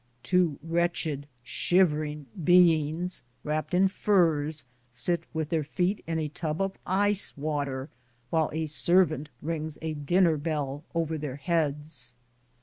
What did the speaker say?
(two wretched, shivering beings, wrapped in furs, sit with their feet in a tub of ice water, while a servant rings a dinner bell over their heads).